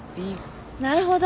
なるほど。